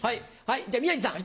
じゃ宮治さん。